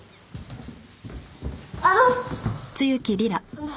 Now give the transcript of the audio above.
あの！